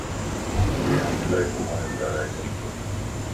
دنيا مَ الائي زبانيون ڳالھائيجھنتيون